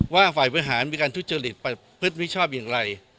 ฝ่ายบริหารมีการทุจริตประพฤติมิชอบอย่างไร